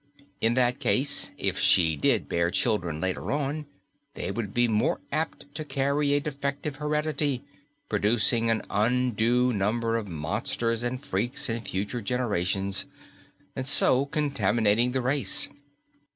In that case, if she did bear children later on, they would be more apt to carry a defective heredity, producing an undue number of monsters and freaks in future generations, and so contaminating the race.